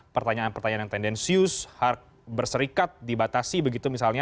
pertanyaan pertanyaan yang tendensius berserikat dibatasi begitu misalnya